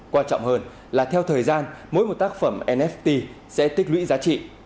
quan trọng hơn là theo thời gian mỗi một tác phẩm nft sẽ tích lũy giá trị